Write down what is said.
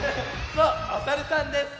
そうおさるさんです！